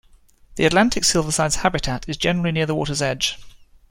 The Atlantic silverside's habitat is generally near the water's edge.